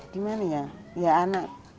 gimana ya ya anak